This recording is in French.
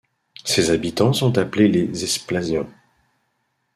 Ses habitants sont appelés les Esplasiens.